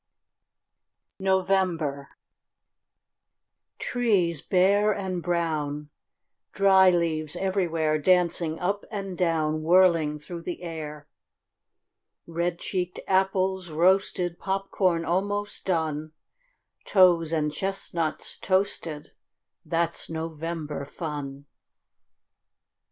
NOVEMBER Trees bare and brown, Dry leaves everywhere Dancing up and down, Whirling through the air. Red cheeked apples roasted, Popcorn almost done, Toes and chestnuts toasted, That's November fun.